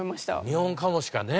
ニホンカモシカね。